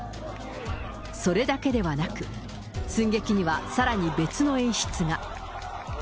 それだけではなく、寸劇にはさらに別の演出が。